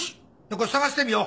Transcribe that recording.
これ探してみよう。